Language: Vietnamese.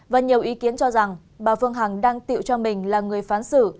và nhiều ý kiến cho rằng bà phương hằng đang tự cho mình là người phán xử